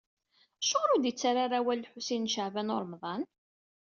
Acuɣeṛ ur d-ittarra ara awal Lḥusin n Caɛban u Ṛemḍan?